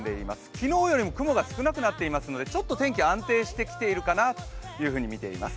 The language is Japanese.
昨日よりも雲が少なくなってきていますのでちょっと天気が安定してきているかなというふうに見ています